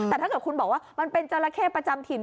แต่ถ้าเกิดคุณบอกว่ามันเป็นจราเข้ประจำถิ่น